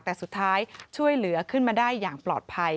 แต่สุดท้ายช่วยเหลือขึ้นมาได้อย่างปลอดภัย